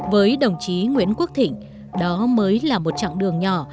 với đồng chí nguyễn quốc thịnh đó mới là một chặng đường nhỏ